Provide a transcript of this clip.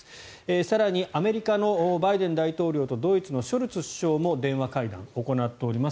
更にアメリカのバイデン大統領とドイツのショルツ首相も電話会談を行っております。